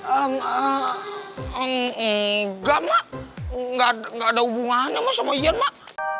enggak mak gak ada hubungannya sama yan mak